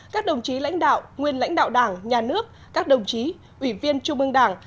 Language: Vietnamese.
các đồng chí lãnh đạo nguyên lãnh đạo đảng nhà nước các đồng chí ủy viên trung ương đảng